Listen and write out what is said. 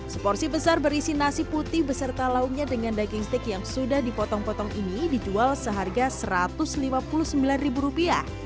seporsi besar berisi nasi putih beserta lauknya dengan daging steak yang sudah dipotong potong ini dijual seharga rp satu ratus lima puluh sembilan